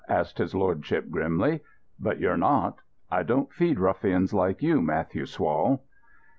asked his lordship grimly. "But you're not. I don't feed ruffians like you, Matthew Swall."